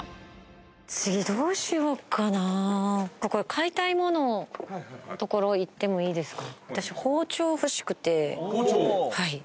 買いたいもののところ行ってもいいですか？